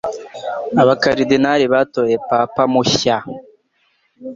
Abakardinali batoye papa mushya.